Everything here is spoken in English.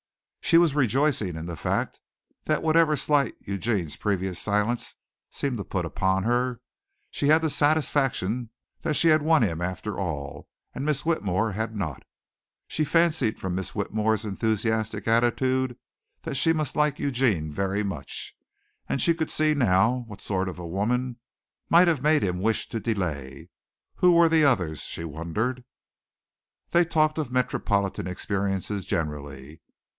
She was rejoicing in the fact that whatever slight Eugene's previous silence seemed to put upon her, she had the satisfaction that she had won him after all and Miss Whitmore had not. She fancied from Miss Whitmore's enthusiastic attitude that she must like Eugene very much, and she could see now what sort of women might have made him wish to delay. Who were the others, she wondered? They talked of metropolitan experiences generally.